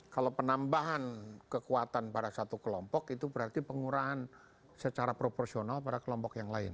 kalau penambahan kekuatan pada satu kelompok itu berarti pengurahan secara proporsional pada kelompok yang lain